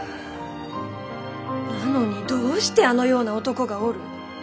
なのにどうしてあのような男がおる。